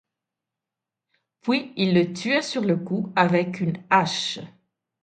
Puis il le tua sur le coup avec une hache.